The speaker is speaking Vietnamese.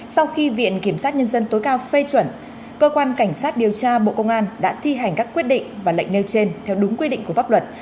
sau khi viện kiểm sát nhân dân tối cao phê chuẩn cơ quan cảnh sát điều tra bộ công an đã thi hành các quyết định và lệnh nêu trên theo đúng quy định của pháp luật